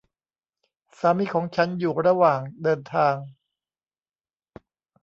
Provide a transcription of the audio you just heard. สามีของฉันอยู่ระหว่างเดินทาง